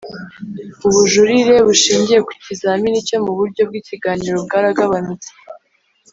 Ubujurire bushingiye ku kizamini cyo mu buryo bw ikiganiro bwaragabanutse